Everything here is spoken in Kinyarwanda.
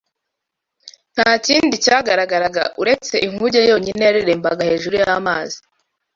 Nta kindi cyagaragaraga uretse inkuge yonyine yarerembaga hejuru y’amazi